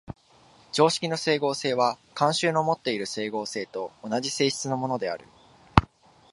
常識の斉合性は慣習のもっている斉合性と同じ性質のものである。